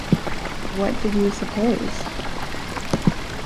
What did you suppose?